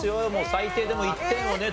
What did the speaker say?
最低でも１点をね